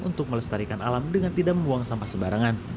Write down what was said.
untuk melestarikan alam dengan tidak membuang sampah sembarangan